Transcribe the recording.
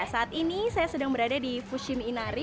saat ini saya sedang berada di fushim inari